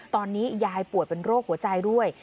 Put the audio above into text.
ตอนนี้ยายป่วยเป็นโรคหัวใจด้วย